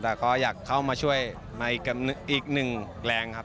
แต่ก็อยากเข้ามาช่วยในอีกหนึ่งแรงครับ